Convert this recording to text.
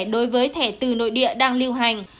đối với thẻ từ nội địa đang lưu hành